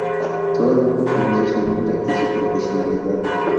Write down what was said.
Todo el mundo conoce su nombre y su profesionalidad.